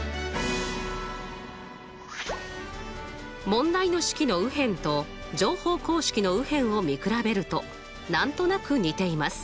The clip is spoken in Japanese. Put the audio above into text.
問題の式の右辺と乗法公式の右辺を見比べると何となく似ています。